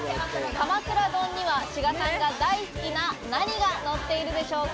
鎌倉丼には志賀さんが大好きな何がのっているでしょうか？